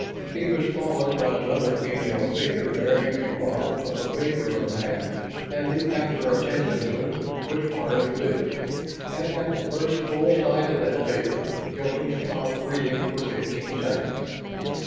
She was followed by another female figure bearing a bottle of avignognac and the appurtenances which are its due and at the first full sight of that figure Hilton stopped breathing for fifteen seconds.